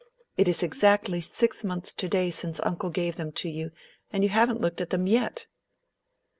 It is exactly six months to day since uncle gave them to you, and you have not looked at them yet."